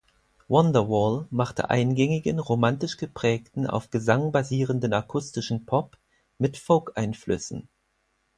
Wonderwall machte eingängigen, romantisch geprägten, auf Gesang basierenden akustischen Pop mit Folk-Einflüssen.